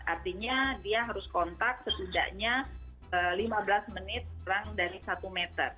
artinya dia harus kontak setidaknya lima belas menit kurang dari satu meter